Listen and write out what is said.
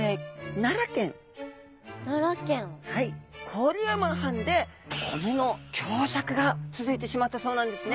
郡山藩で米の凶作が続いてしまったそうなんですね。